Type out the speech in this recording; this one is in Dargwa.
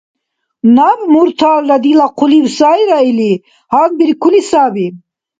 Наб мурталра дила хъулив сайра или гьанбиркули саби.